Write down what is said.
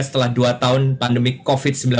setelah dua tahun pandemi covid sembilan belas